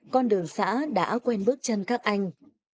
con đường xã đã quen bước chân các anh